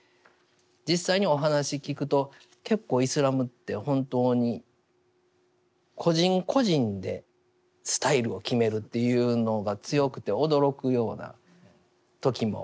実際にお話聞くと結構イスラムって本当に個人個人でスタイルを決めるっていうのが強くて驚くような時もあります。